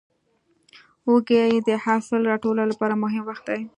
وږی د حاصل راټولو لپاره مهم وخت دی.